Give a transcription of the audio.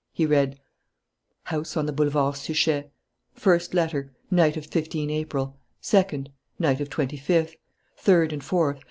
He read: "House on the Boulevard Suchet. "First letter. Night of 15 April. "Second. Night of 25th. "Third and fourth.